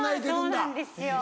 今そうなんですよ。